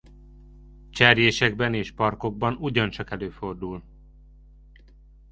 Cserjésekben és parkokban ugyancsak előfordul.